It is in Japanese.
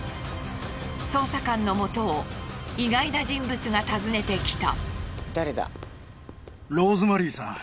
捜査官の元を意外な人物が訪ねてきた。